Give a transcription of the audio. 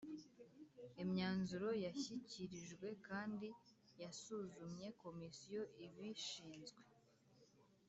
Imyanzuro yashyikirijwe kandi yasuzumye Komisiyo ibishinzwe